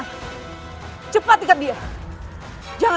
untuk nasabahk breve